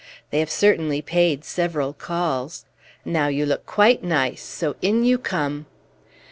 They have certainly paid several calls. Now you look quite nice, so in you come."